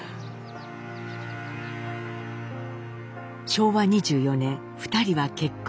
昭和２４年２人は結婚。